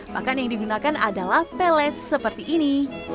pakan yang digunakan adalah pelet seperti ini